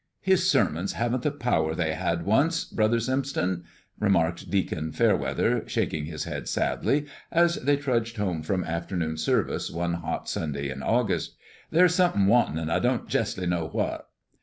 "His sermons haven't the power they had once, Brother Stimpson," remarked Deacon Fairweather, shaking his head sadly, as they trudged home from afternoon service one hot Sunday in August. "There's somethin' wantin'. I don't jestly know what."